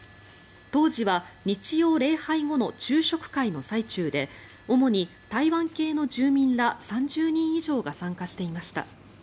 当時は日曜礼拝後の昼食会の最中で主に台湾系の住民ら３０人以上が参加していました。